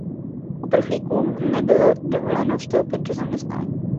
Uprchlíkům nebylo dovoleno vstoupit do zaměstnání.